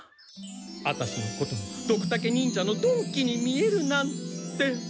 アタシのことがドクタケ忍者の曇鬼に見えるなんて。